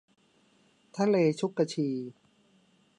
ทะเลชุกชี